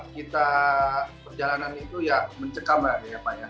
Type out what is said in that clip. kita perjalanan itu ya mencekam lah ya pak ya